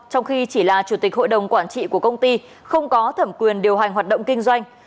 trong khi chỉ là chủ tịch hội đồng quản trị của công ty không có thẩm quyền điều hành hoạt động kinh doanh